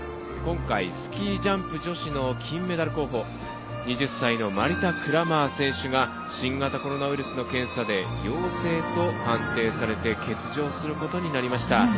今回、スキージャンプ女子の金メダル候補２０歳のマリタ・クラマー選手が新型コロナウイルスの検査で陽性と判定されて欠場することになりました。